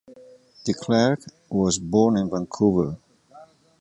De Klerk was born in Vancouver.